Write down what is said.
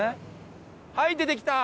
はい出てきた！